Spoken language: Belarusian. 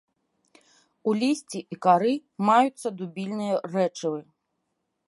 У лісці і кары маюцца дубільныя рэчывы.